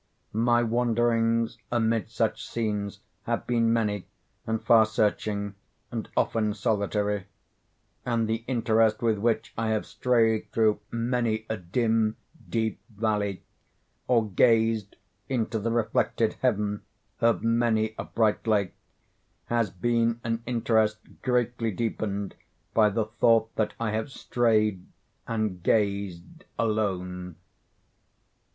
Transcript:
My wanderings amid such scenes have been many, and far searching, and often solitary; and the interest with which I have strayed through many a dim, deep valley, or gazed into the reflected Heaven of many a bright lake, has been an interest greatly deepened by the thought that I have strayed and gazed alone.